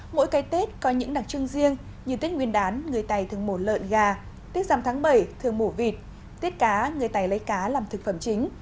mỗi cái tết có những đặc trưng riêng như tết nguyên đán người tày thường mổ lợn gà tết giảm tháng bảy thường mổ vịt tiết cá người tài lấy cá làm thực phẩm chính